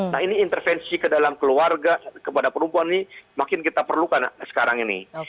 nah ini intervensi ke dalam keluarga kepada perempuan ini makin kita perlukan sekarang ini